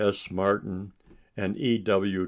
S. Martin and E. W.